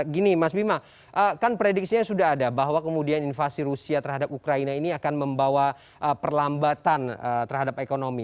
gini mas bima kan prediksinya sudah ada bahwa kemudian invasi rusia terhadap ukraina ini akan membawa perlambatan terhadap ekonomi